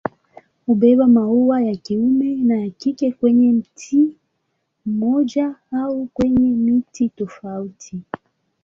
Hubeba maua ya kiume na ya kike kwenye mti mmoja au kwenye miti tofauti.